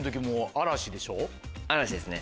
嵐ですね。